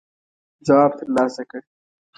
ځواب تر لاسه کړ.